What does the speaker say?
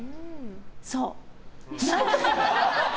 そう。